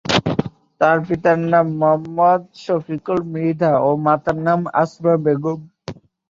তার পিতার নাম মোহাম্মদ শফিকুল মৃধা ও মাতার নাম আসমা বেগম।